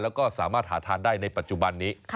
แล้วก็สามารถหาทานได้ในปัจจุบันนี้